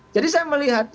jadi saya melihatnya